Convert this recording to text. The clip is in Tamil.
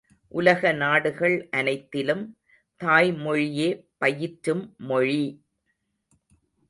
உலக நாடுகள் அனைத்திலும் தாய்மொழியே பயிற்றும் மொழி!